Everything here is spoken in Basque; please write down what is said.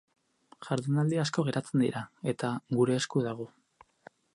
Jardunaldi asko geratzen dira, eta gure esku dago.